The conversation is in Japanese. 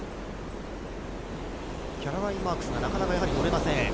キャロライン・マークスがなかなかやはり乗れません。